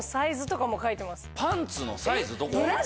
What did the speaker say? パンツのサイズどこ？